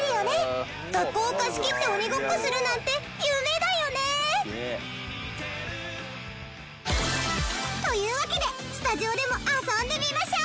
学校を貸し切って鬼ごっこするなんて夢だよね！というわけでスタジオでも遊んでみましょう！